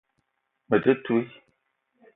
Me te ntouii